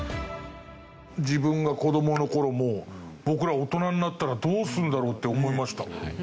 自分が子どもの頃も僕ら大人になったらどうするんだろう？って思いました。